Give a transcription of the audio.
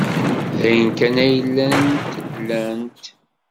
D ayen kan ay llant lant.